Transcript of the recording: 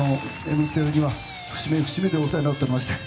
「Ｍステ」には節目節目でお世話になっておりまして。